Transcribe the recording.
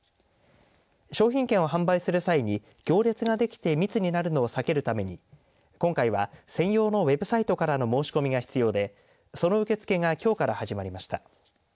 商品券を販売する際に行列ができて密になるのを避けるために今回は専用のウェブサイトからの申し込みが必要でその受け付けがきょうから始まりました。